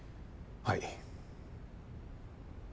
はい。